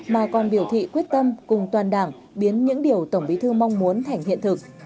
mà còn biểu thị quyết tâm cùng toàn đảng biến những điều tổng bí thư mong muốn thành hiện thực